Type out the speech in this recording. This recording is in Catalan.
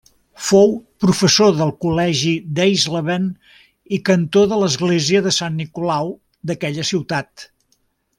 Fou professor del Col·legi d'Eisleben i cantor de l'església de Sant Nicolau d'aquella ciutat.